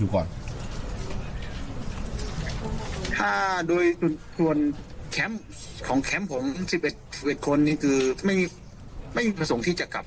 ครับคุณ